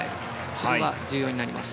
そこが重要になります。